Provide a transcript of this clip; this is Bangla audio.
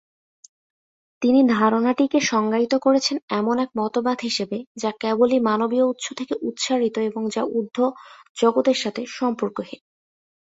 তিনি ধারণাটিকে সংজ্ঞায়িত করেছেন এমন এক মতবাদ হিসেবে ‘যা কেবলই মানবীয় উৎস থেকে উৎসারিত এবং যা ঊর্ধ্ব জগতের সাথে সম্পর্কহীন’।